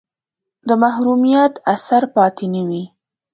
د محرومیت اثر پاتې نه وي.